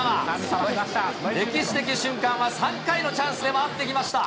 歴史的瞬間は、３回のチャンスで回ってきました。